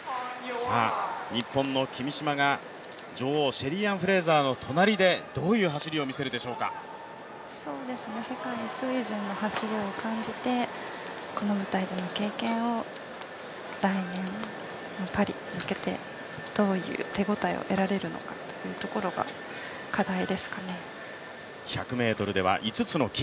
日本の君嶋が女王・シェリーアン・フレイザープライスの隣で世界水準の走りを感じて、この舞台での経験を来年のパリに向けてどういう手応えを得られるかというところが１００ｍでは５つの金。